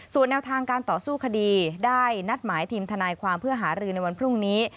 ส่วนแนวทางการต่อสู้คดีได้นัดหมายทีมทนายความเพื่อหารือในวันพรุ่งนี้